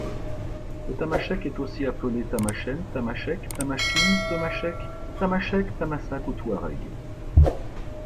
Le tamasheq est aussi appelé tamachen, tamashek, tamashekin, tomacheck, tamachèque, tamasagt ou tuareg.